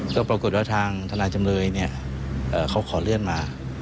ก็ปรากฏว่าทางทนายจำเลยเขาขอเลื่อนมา